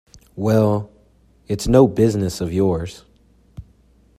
Well, it's no business of yours.